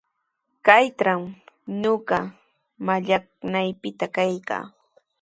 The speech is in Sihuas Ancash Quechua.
Kaytraw ñuqa mallaqnaypita kaykaa.